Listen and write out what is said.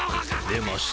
出ました。